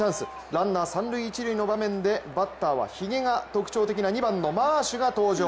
ランナー三・一塁の場面で、バッターはひげが特徴の２番のマーシュが登場。